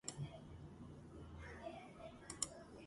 სოლოს დასრულების შემდეგ, ის მუდმივად ისროდა ხოლმე ჰარმონიკას დარბაზში.